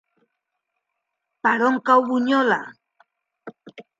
Per on cau Bunyola?